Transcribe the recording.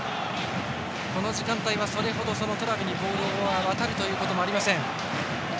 この時間帯はそれほどトラビにボールが渡るということもありません。